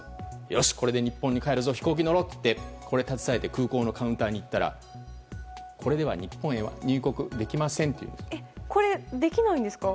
よし、これで日本に帰るぞ飛行機乗ろうって、これを携えて空港のカウンターに行ったらこれでは日本へはこれ、できないんですか？